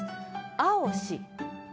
「青し」。